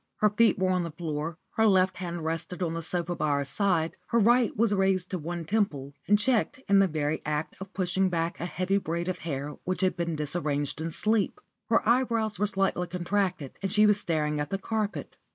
Her feet were on the floor, her left hand rested on the sofa by her side, her right was raised to one temple and checked in the very act of pushing back a heavy braid of hair which had been disarranged in sleep. Her eyebrows were slightly contracted, and she was staring at the carpet.